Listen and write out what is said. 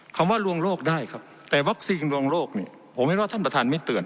ว่าลวงโรคได้ครับแต่วัคซีนลวงโลกเนี่ยผมเห็นว่าท่านประธานไม่เตือน